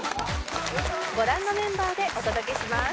ご覧のメンバーでお届けします